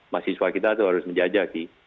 masih suah kita itu harus menjajaki